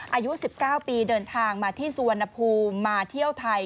อายุ๑๙ปีเดินทางมาที่สุวรรณภูมิมาเที่ยวไทย